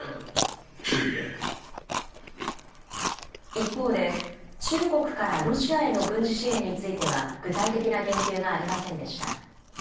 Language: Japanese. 一方で、中国からロシアへの軍事支援については、具体的な言及がありませんでした。